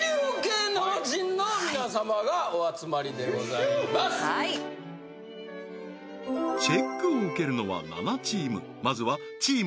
ぴょーんさあはいチェックを受けるのは７チームまずはチーム